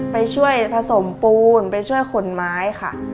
ไปช่วยผสมปูนไปช่วยขนไม้ค่ะ